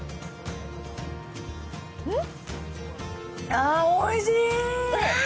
あ、おいしい！